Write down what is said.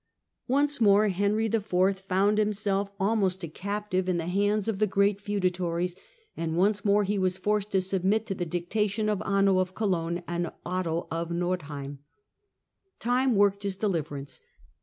Once more Henry IV. found him 80 THE CENTRAL PERIOD OF THE MIDDLE AGE self almost a captive in the hands of the great feudatories, and once more he was forced to submit to the dictation of Anno of Cologne and Otto of Nordheim. Time worked his deliverance.